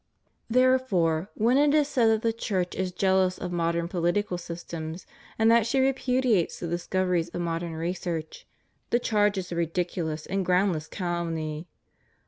Therefore, when it is said that the Church is jealous of modern political systems, and that she repudiates the discoveries of modern research, the charge is a ridiculous and groundless calumny.